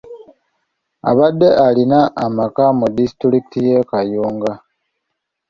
Abadde alina amaka mu disitulikiti y'e Kayunga.